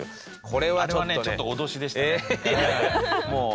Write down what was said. あれはねちょっと脅しでしたね。